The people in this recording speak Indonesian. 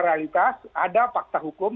realitas ada fakta hukum